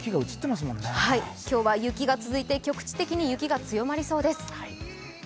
今日は雪が続いて局地的に雪が積もりそうです。